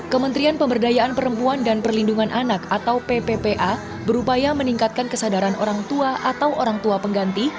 kementerian pemberdayaan perempuan dan perlindungan anak atau pppa berupaya meningkatkan kesadaran orang tua atau orang tua pengganti